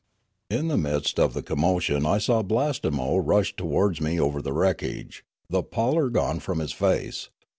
In the midst of the commotion I saw Blastemo rush towards me over the wreckage, the pallor gone from his face.